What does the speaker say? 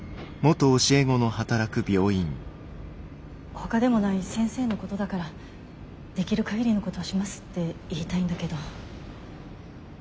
ほかでもない先生のことだからできる限りのことしますって言いたいんだけど。